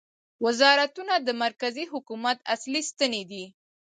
وزارتونه د مرکزي حکومت اصلي ستنې دي